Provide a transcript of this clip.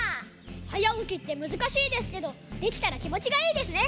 はやおきってむずかしいですけどできたらきもちがいいですね！